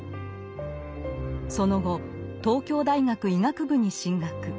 その後東京大学医学部に進学。